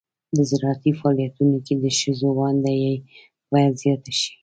د زراعتي فعالیتونو کې د ښځو ونډه باید زیاته شي.